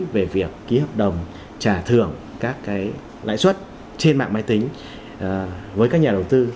về việc ký hợp đồng trả thưởng các lãi suất trên mạng máy tính với các nhà đầu tư